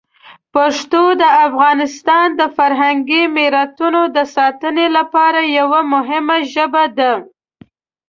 پښتو د افغانستان د فرهنګي میراتونو د ساتنې لپاره یوه مهمه ژبه ده.